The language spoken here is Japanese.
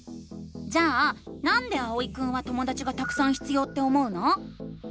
じゃあ「なんで」あおいくんはともだちがたくさん必要って思うの？